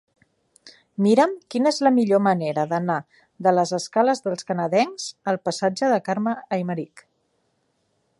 Mira'm quina és la millor manera d'anar de les escales dels Canadencs al passatge de Carme Aymerich.